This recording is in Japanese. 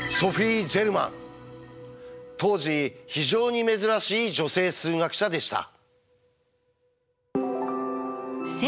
当時非常に珍しい女性数学者でした。